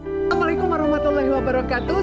assalamualaikum warahmatullahi wabarakatuh